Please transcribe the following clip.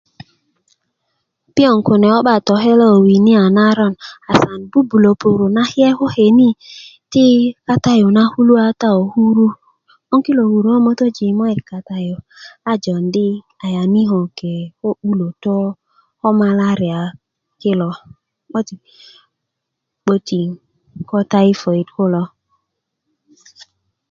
piöŋ kune ko 'ba tokela ko wini a naron asan bubulo puru nake koke ni ti kata yu na kata ko kuru 'boŋ kilo kuru ko mötöji i möyit kata yu a jondi ayaniko bge ko 'bulötö ko malaria kilo 'botin ko typhoid kulo